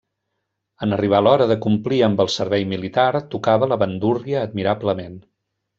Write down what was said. En arribar l'hora de complir amb el servei militar, tocava la bandúrria admirablement.